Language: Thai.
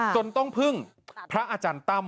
จนต้องพึ่งพระอาจารย์ตั้ม